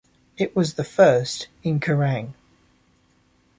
It was the first in Kerrang!